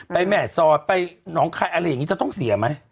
แม่สอดไปหนองคายอะไรอย่างนี้จะต้องเสียไหม